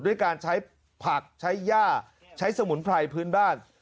ด้วยการใช้ผักใช้ย่าใช้สมุนไพรพื้นบ้าน